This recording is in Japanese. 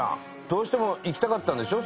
どうしても行きたかったんでしょ？